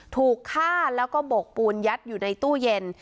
ถูกฆ่าแล้วก็โบกปูนยัดอยู่ในตู้เย็น